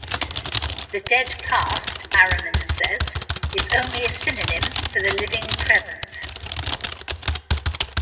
The dead past, Araman says, is only a synonym for "the living present".